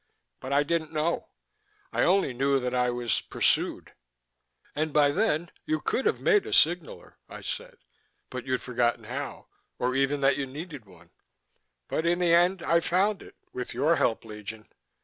"But I didn't know. I only knew that I was pursued." "And by then you could have made a signaller," I said. "But you'd forgotten how or even that you needed one." "But in the end I found it with your help, Legion.